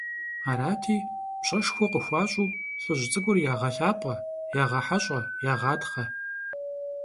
Арати, пщӀэшхуэ къыхуащӀу, лӀыжь цӀыкӀур ягъэлъапӀэ, ягъэхьэщӀэ, ягъатхъэ.